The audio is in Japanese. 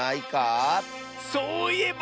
そういえば。